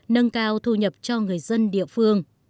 nâng cao thu nhập cho người dân địa phương